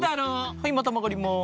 はいまたまがります。